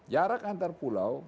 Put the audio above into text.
jarak antar pulau